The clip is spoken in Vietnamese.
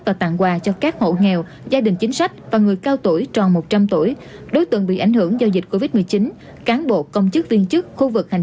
và tặng quà cho các hộ nghèo gia đình chính sách và người cao tuổi tròn một trăm linh tuổi đối tượng bị ảnh hưởng do dịch covid một mươi chín cán bộ công chức viên chức khu vực hành